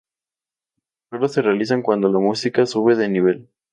Los disparos se realizan cuando la música sube de nivel.